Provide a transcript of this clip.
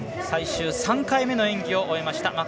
最終３回目の演技を終えました。